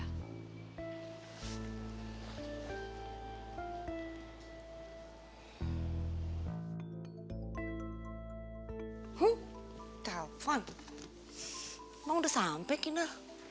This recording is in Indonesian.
ha telepon emang udah sampai kina